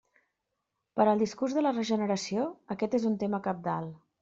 Per al discurs de la regeneració aquest és un tema cabdal.